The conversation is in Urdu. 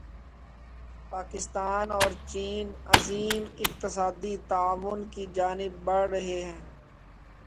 پاکستان اور چین عظیم اقتصادی تعاون کی جانب بڑھ رہے ہیں